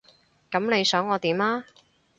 噉你想我點啊？